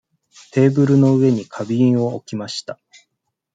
テーブルの上に花瓶を置きました。